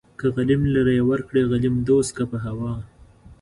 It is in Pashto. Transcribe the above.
که غليم لره يې ورکړې غليم دوست کا په هوا